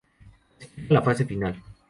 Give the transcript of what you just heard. Clasifica a la Fase Final